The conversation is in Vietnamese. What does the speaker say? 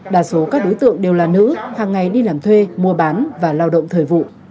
đa số các đối tượng đều là nữ hàng ngày đi làm thuê mua bán và lao động thời vụ